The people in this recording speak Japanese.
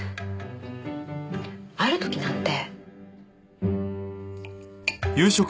ある時なんて。